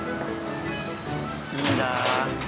いいなあ。